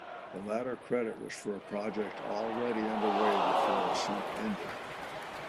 The latter credit was for a project already underway before the suit ended.